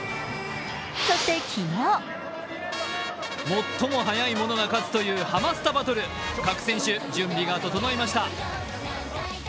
そして昨日最も早い者が勝つというハマスタバトル、各選手、準備が整いました。